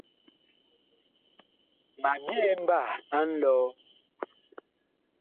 Ma byee mbah a nlɔɔ.